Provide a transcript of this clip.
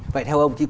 vậy theo ông